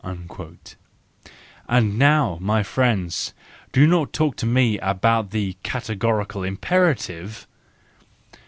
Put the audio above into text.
—And now, my friend, do not talk to me about the categorical imperative!